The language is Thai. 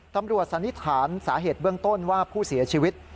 สันนิษฐานสาเหตุเบื้องต้นว่าผู้เสียชีวิต